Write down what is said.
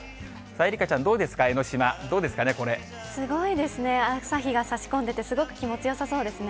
愛花ちゃん、どうですか、江の島、すごいですね、朝日が差し込んでてすごく気持ちよさそうですね。